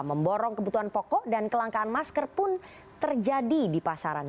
memborong kebutuhan pokok dan kelangkaan masker pun terjadi di pasaran